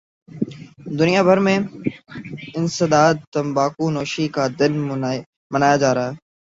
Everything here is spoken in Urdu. دنیا بھر میں انسداد تمباکو نوشی کا دن منایا جارہاہے